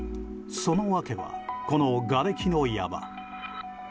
その訳は、このがれきの山。